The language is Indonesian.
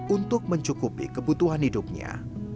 untuk mencukupi kebutuhan hidupnya